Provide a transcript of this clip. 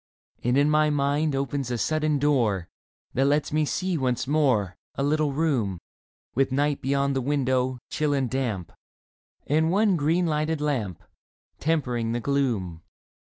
. And in my mind opens a sudden door That lets me see once more A little room With night beyond the window, chill and damp, And one green lighted lamp Tempering the gloom.